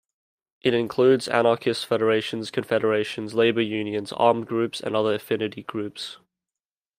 It includes anarchist federations, confederations, labour unions, armed groups, and other affinity groups.